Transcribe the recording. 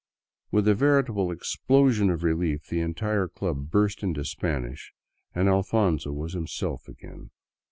With a veritable explosion of relief the entire club burst into Spanish, and Alfonzo was himself again.